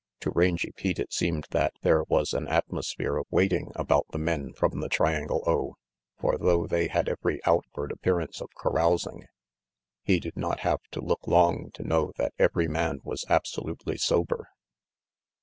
To Rangy Pete it seemed th'at there was an atmosphere of waiting about the men from the Triangle O, for though they had every outward appearance of carousing, he did not have to look long to know that every man was absolutely sober.